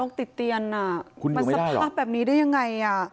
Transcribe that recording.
โลกติดเตียนนะคุณอยู่ไม่ได้หรอน่าสภาพแบบนี้ได้ยังไงน่ะ